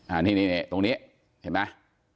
อันนี้เนี้ยตรงเนี้ยเห็นมั้ย